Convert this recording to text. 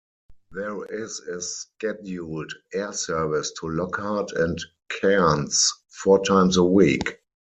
There is a scheduled air service to Lockhart and Cairns four times a week.